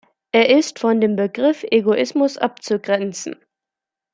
Er ist von dem Begriff Egoismus abzugrenzen.